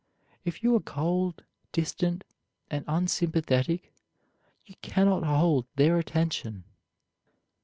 If you are cold, distant, and unsympathetic you can not hold their attention.